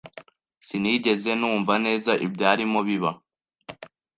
Sinigeze numva neza ibyarimo biba.